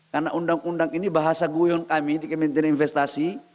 karena undang undang ini bahasa guyon kami di kementerian investasi